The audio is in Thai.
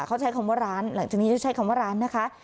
เขาใช้คำว่าร้านหลังจากนี้จะใช้คำว่าร้านนะคะ